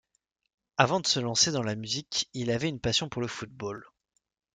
Avant de se lancer dans la musique il avait une passion pour le Football.